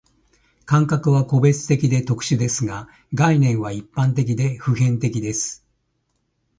感覚は個別的で特殊ですが、概念は一般的で普遍的です。